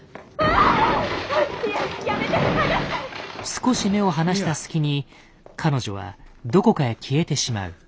少し目を離した隙に彼女はどこかへ消えてしまう。